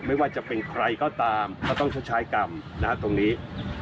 ไม่ว่าจะเป็นใครก็ตามก็ต้องชดใช้กรรมตรงนี้